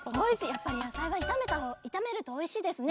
やっぱりやさいはいためるとおいしいですね。